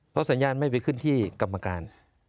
เพราะสัญญาณไม่ไปขึ้นที่กรรมการ